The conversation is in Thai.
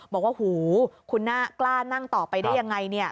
บอกว่าหูคุณน่ากล้านั่งต่อไปได้ยังไง